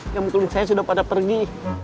yang mungkin saya sudah pada pergi